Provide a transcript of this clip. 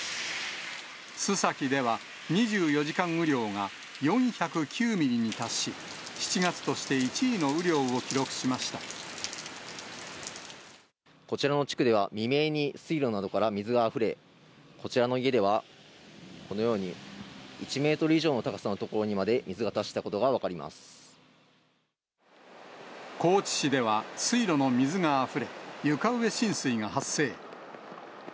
須崎では２４時間雨量が４０９ミリに達し、７月として１位の雨量こちらの地区では、未明に水路などから水があふれ、こちらの家では、このように１メートル以上の高さの所にまで水が達したことが分か高知市では水路の水があふれ、床上浸水が発生。